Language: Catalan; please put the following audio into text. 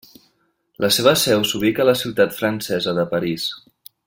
La seva seu s'ubica a la ciutat francesa de París.